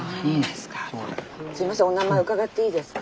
すいませんお名前伺っていいですか？